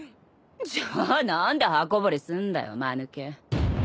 じゃあ何で刃こぼれすんだよまぬけ。